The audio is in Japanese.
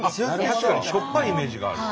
確かにしょっぱいイメージがある。